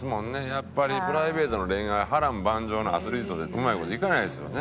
やっぱりプライベートの恋愛波瀾万丈なアスリートってうまい事いかないですよね。